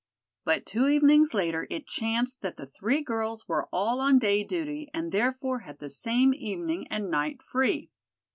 But two evenings later it chanced that the three girls were all on day duty and therefore had the same evening and night free.